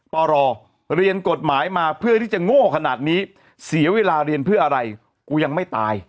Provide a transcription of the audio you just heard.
ปรเรียนกฎหมายมาเพื่อที่จะโง่ขนาดนี้เสียเวลาเรียนเพื่ออะไรกูยังไม่ตาย